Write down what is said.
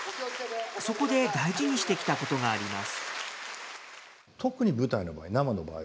そこで大事にしてきたことがあります。